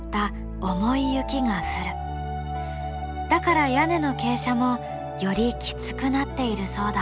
だから屋根の傾斜もよりきつくなっているそうだ。